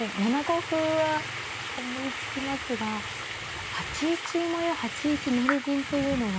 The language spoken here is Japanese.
７五歩は思いつきますが８一馬や８一成銀というのは。